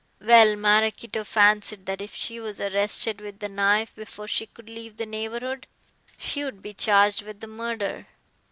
Well, Maraquito fancied that if she was arrested with the knife before she could leave the neighborhood she would be charged with the murder."